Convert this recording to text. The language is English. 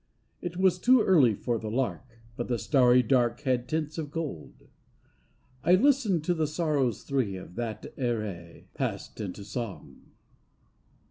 It was too early for the lark, But the starry dark had tints of gold. I listened to the sorrows three Of that Eire passed into song.